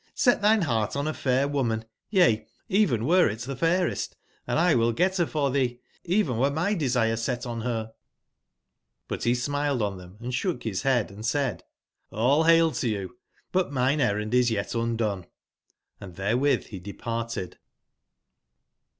Set tbine beart on a fair woman, yea even I were it tbe fairest ;& 1 will get ber for tbee, even were my desire set on ber"j^ But be smiled on tbem, and sbook bis bead, and said: '*Hll bail to you I but mine errand is yet undone/' Hnd tberewitb be departed.